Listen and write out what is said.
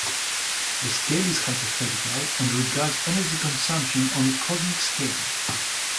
The scale is hypothetical, and regards energy consumption on a cosmic scale.